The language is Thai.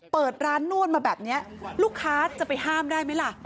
เปิดร้านนวดมาแบบนี้ลูกค้าจะไปห้ามได้ไหมล่ะ